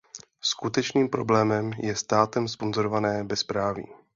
Skutečným problémem je státem sponzorované bezpráví.